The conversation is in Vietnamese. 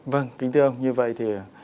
vâng kính thưa ông như vậy thì